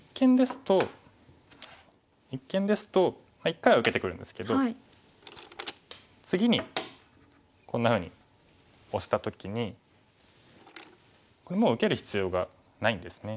一間ですと一回は受けてくるんですけど次にこんなふうにオシた時にこれもう受ける必要がないんですね。